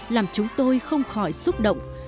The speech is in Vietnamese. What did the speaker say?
làm chúng tôi không khỏi xúc động